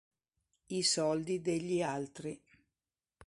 I soldi degli altri